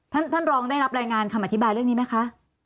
ท่านรองได้รับรายงานคำอธิบายเรื่องนี้ไหมคะ